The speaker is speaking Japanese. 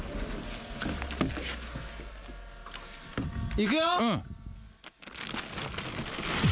いくよ！